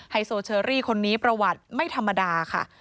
โซเชอรี่คนนี้ประวัติไม่ธรรมดาค่ะ